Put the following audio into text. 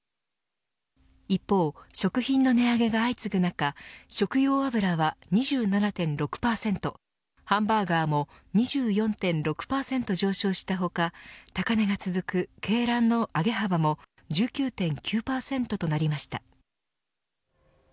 一方、食品の値上げが相次ぐ中食料油は２７．６％ハンバーガーも２４．６％上昇した他高値が続く、鶏卵の上げ幅も１９．９％となりました。